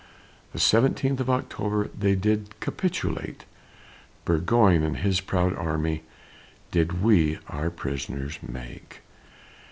The seventeenth of October, They did capitulate, Burgoyne and his proud army Did we our prisoners make.